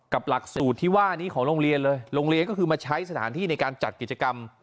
หลักสูตรที่ว่านี้ของโรงเรียนเลยโรงเรียนก็คือมาใช้สถานที่ในการจัดกิจกรรม